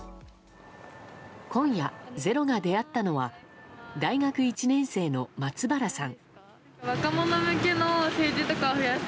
今夜「ｚｅｒｏ」が出会ったのは大学１年生の松原さん。